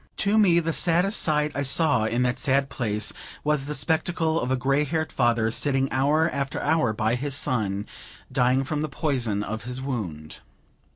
To me, the saddest sight I saw in that sad place, was the spectacle of a grey haired father, sitting hour after hour by his son, dying from the poison of his wound.